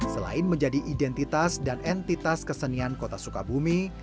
selain menjadi identitas dan entitas kesenian kota sukabumi